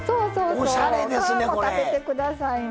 皮も食べてくださいね。